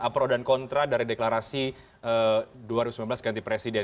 pro dan kontra dari deklarasi dua ribu sembilan belas ganti presiden